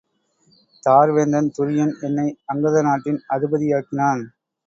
தார் வேந்தன் துரியன் என்னை அங்கத நாட்டின் அதிபதியாக்கினான்.